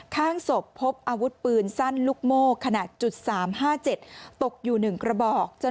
ข้างศพพบอาวุธปืนสั้นลูกโม่ขนาด๓๕๗ตกอยู่๑กระบอก